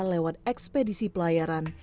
lewat ekspedisi pelayaran